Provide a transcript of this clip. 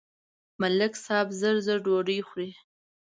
ملک صاحب زر زر ډوډۍ خوري.